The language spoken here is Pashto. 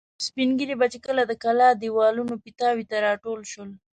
سپین ږیري به چې کله د کلا دېوالونو پیتاوو ته را ټول شول.